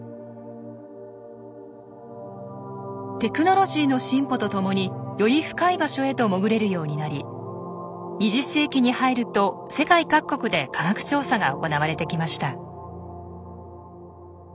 テクノロジーの進歩とともにより深い場所へと潜れるようになり２０世紀に入ると世界各国で科学調査が行われてきました。